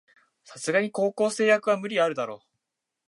さすがに高校生役は無理あるだろ